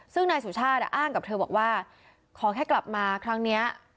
ซึ่งนายสุชาติอ้างกับเธอบอกว่าขอแค่กลับมาครั้งนี้